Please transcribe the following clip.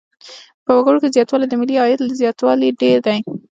په وګړو کې زیاتوالی د ملي عاید له زیاتوالي ډېر دی.